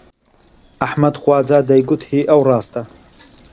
ئەحمەد خواجا دەیگوت هی ئەو ڕاستە